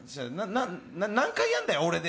何回やんだよ、俺で。